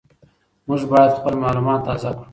موږ باید خپل معلومات تازه کړو.